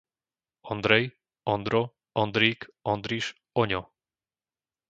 Ondrej, Ondro, Ondrík, Ondriš, Oňo